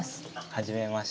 はじめまして。